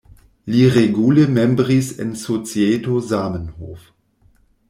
Li regule membris en Societo Zamenhof.